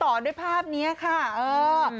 ถ้ามั้ยก็ได้ปลอดภัยด้วยภาพนี้